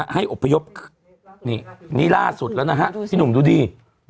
อบพยพนี่นี่ล่าสุดแล้วนะฮะพี่หนุ่มดูดิ